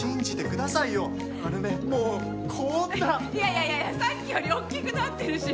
いやいや、さっきより大きくなってるし。